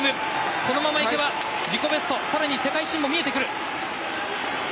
このままいけば自己ベストさらに世界新も見えてくる。